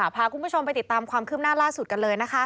พาคุณผู้ชมไปติดตามความคืบหน้าล่าสุดกันเลยนะคะ